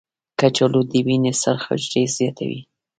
کچالو د وینې سرخ حجرې زیاتوي.